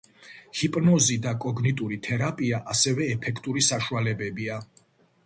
ჰიპნოზი და კოგნიტიური თერაპია ასევე ეფექტური საშუალებებია.